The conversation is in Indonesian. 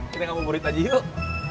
kita ngambul burit aja yuk